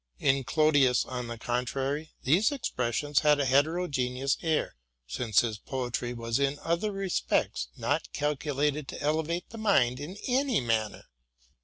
In Clodius, on the contrary, these expressions had a heterogeneous air; since his poetry was in other respects not calculated to elevate the mind in any manner.